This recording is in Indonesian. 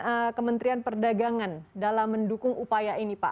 sejauh ini apa peran kementerian perdagangan dalam mendukung upaya ini pak